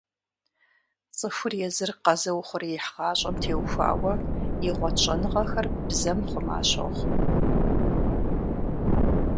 ЦӀыхур езыр къэзыухъуреихь гъащӀэм теухуауэ игъуэт щӀэныгъэхэр бзэм хъума щохъу.